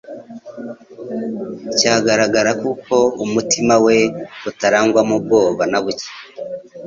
cyagaragara kuko umutima we utarangwagamo ubwoba na buke.